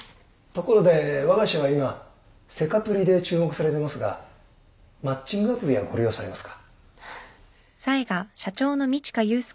ところでわが社は今セカプリで注目されてますがマッチングアプリはご利用されますか？